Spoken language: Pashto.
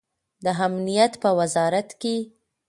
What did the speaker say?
د امنیت په وزارت کې